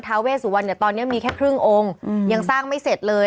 เวสุวรรณเนี่ยตอนนี้มีแค่ครึ่งองค์ยังสร้างไม่เสร็จเลย